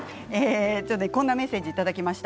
こんなメッセージをいただきました。